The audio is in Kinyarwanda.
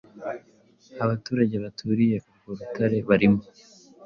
Abaturage baturiye urwo rutare barimo